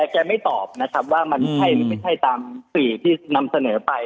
แกไม่ตอบนะครับว่ามันใช่หรือไม่ใช่ตามสื่อที่นำเสนอไป